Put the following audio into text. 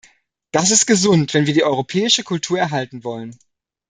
Das ist gesund, wenn wir die europäische Kultur erhalten wollen.